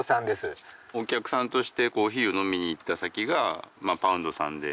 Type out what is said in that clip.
お客さんとしてコーヒーを飲みに行った先がＰＯＵＮＤさんで。